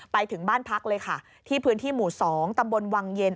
ไปถึงบ้านพักเลยค่ะที่พื้นที่หมู่๒ตำบลวังเย็น